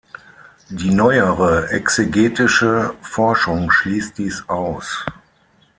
Die neuere exegetische Forschung schließt dies aus.